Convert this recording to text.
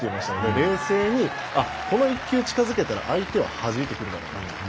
冷静にこの１球近づけたら相手は、はじいてくるだろうと。